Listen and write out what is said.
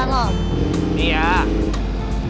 ya udah yaudah